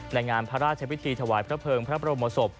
ในงานพระราชชาโภิธีถวายพระเพริงพระบรมสบ